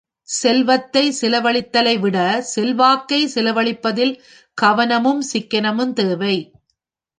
செல்வத்தை செலவழித்தலைவிட செல்வாக்கை செலவழிப்பதில் கவனமும் சிக்கனமும் தேவை.